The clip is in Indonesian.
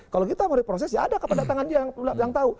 kalau kita mau diproses ya ada kependatangan dia yang tahu